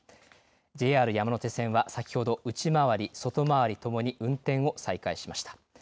ＪＲ山手線は先ほど内回り外回りともに運転を再開しました。